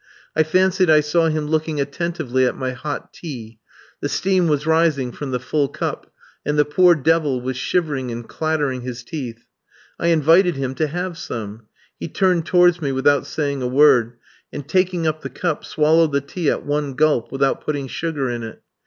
I fancied I saw him looking attentively at my hot tea; the steam was rising from the full cup, and the poor devil was shivering and clattering his teeth. I invited him to have some; he turned towards me without saying a word, and taking up the cup, swallowed the tea at one gulp, without putting sugar in it.